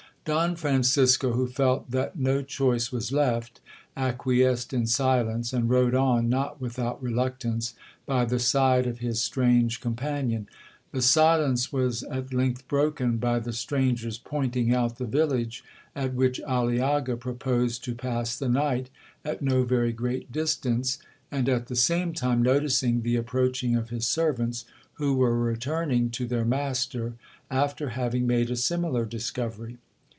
'Don Francisco, who felt that no choice was left, acquiesced in silence, and rode on, not without reluctance, by the side of his strange companion. The silence was at length broken, by the stranger's pointing out the village at which Aliaga proposed to pass the night, at no very great distance, and at the same time noticing the approaching of his servants, who were returning to their master, after having made a similar discovery.